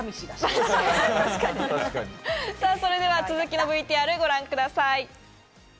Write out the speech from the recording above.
それでは続きのＶＴＲをご覧ください。